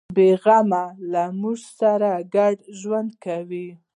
بیغمه له موږ سره ګډ ژوند کوي.